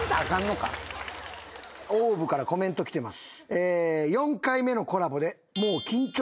ＯＷＶからコメントきてます。